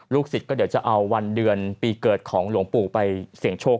สิทธิ์ก็เดี๋ยวจะเอาวันเดือนปีเกิดของหลวงปู่ไปเสี่ยงโชค